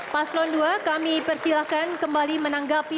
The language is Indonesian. paslon dua kami persilahkan kembali menanggapi